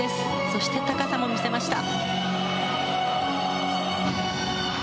そして高さも見せました。